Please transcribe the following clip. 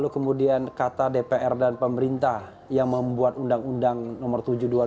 kemudian kata dpr dan pemerintah yang membuat undang undang nomor tujuh dua ribu dua